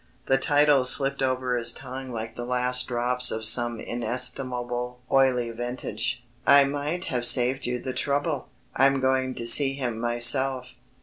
The titles slipped over his tongue like the last drops of some inestimable oily vintage. "I might have saved you the trouble. I'm going to see him myself."